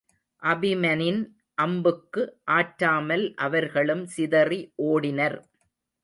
அபிமனின் அம்புக்கு ஆற்றாமல் அவர்களும் சிதறி ஓடினர்.